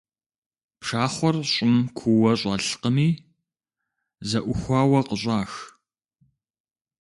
Пшахъуэр щӀым куууэ щӀэлъкъыми зэӀухауэ къыщӀах.